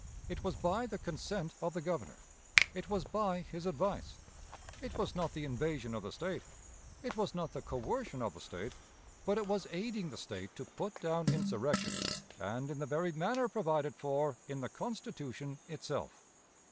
It was by the consent of the Governor; it was by his advice. It was not the invasion of the State; it was not the coercion of the State; but it was aiding the State to put down insurrection, and in the very manner provided for in the Constitution itself.